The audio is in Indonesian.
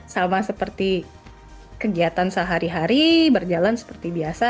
sama seperti kegiatan sehari hari berjalan seperti biasa